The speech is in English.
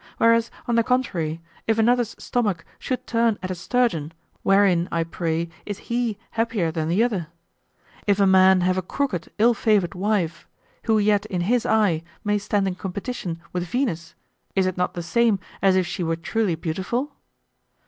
Whereas on the contrary, if another's stomach should turn at a sturgeon, wherein, I pray, is he happier than the other? If a man have a crooked, ill favored wife, who yet in his eye may stand in competition with Venus, is it not the same as if she were truly beautiful?